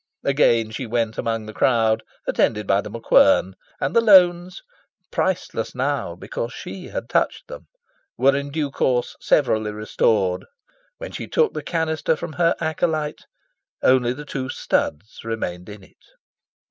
Again she went among the crowd, attended by The MacQuern; and the loans priceless now because she had touched them were in due course severally restored. When she took the canister from her acolyte, only the two studs remained in it.